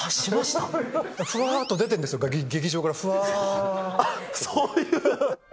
ふわーっと出てるんですよ、そういう？